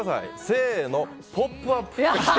せーの、「ポップＵＰ！」。